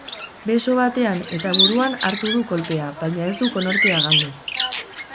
Beso batean eta buruan hartu du kolpea, baina ez du konortea galdu.